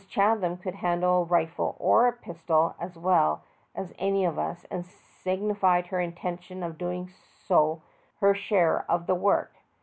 Chatham could handle a rifle or pistol as well as any of us and signified her intention of doing her share of the work.